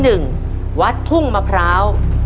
ตัวเลือกที่๑วัดทุ่งมะพร้าว